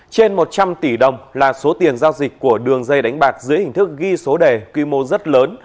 trên một trăm linh tỷ đồng là số tiền giao dịch của đường dây đánh bạc dưới hình thức ghi số đề quy mô rất lớn